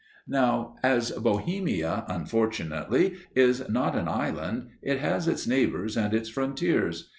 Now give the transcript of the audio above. Now, as Bohemia, unfortunately, is not an island, it has its neighbours and its frontiers.